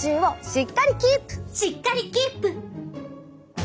しっかりキープ！